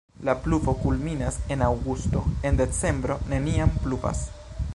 La pluvo kulminas en aŭgusto, en decembro neniam pluvas.